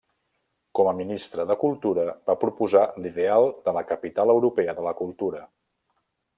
Com a Ministre de Cultura, va proposar l'ideal de la Capital Europea de la Cultura.